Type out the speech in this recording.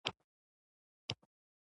فاریاب د افغان ځوانانو لپاره دلچسپي لري.